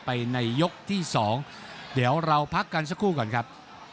ในยกที่สองเดี๋ยวเราพักกันสักครู่ก่อนครับ